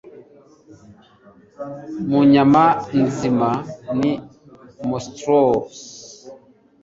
mu nyama nzima ni monstrous